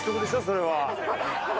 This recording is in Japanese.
それは。